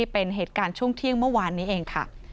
เป็นเหตุการณ์ช่วงเที่ยงเมื่อวานนี้เองค่ะ